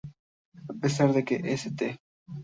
A pesar de que St.